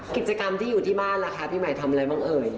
กิจกรรมที่อยู่ที่บ้านล่ะคะพี่ใหม่ทำอะไรบ้างเอ่ย